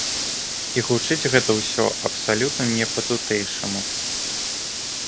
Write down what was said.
І гучыць гэта ўсё абсалютна не па-тутэйшаму.